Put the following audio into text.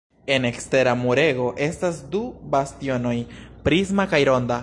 En ekstera murego estas du bastionoj, prisma kaj ronda.